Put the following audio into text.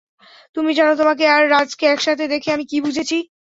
তুমি জানো তোমাকে আর রাজ-কে একসাথে দেখে আমি কী বুঝেছি?